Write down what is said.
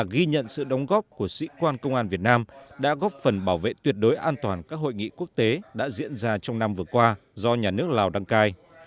ghi nhận sự đóng góp của sĩ quan công an việt nam đã góp phần bảo vệ tuyệt đối an toàn các hội nghị quốc tế đã diễn ra trong năm vừa qua do nhà nước lào đăng cai